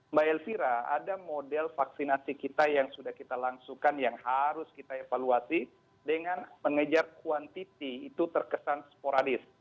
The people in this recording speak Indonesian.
mbak elvira ada model vaksinasi kita yang sudah kita langsungkan yang harus kita evaluasi dengan mengejar kuantiti itu terkesan sporadis